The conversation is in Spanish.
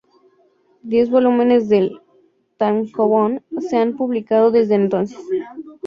Diez volúmenes del tankōbon se han publicado desde entonces.